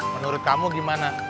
menurut kamu gimana